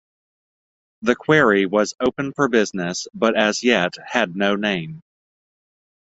The quarry was open for business, but as yet, had no name.